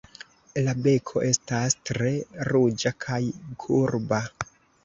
La beko estas tre ruĝa, kaj kurba.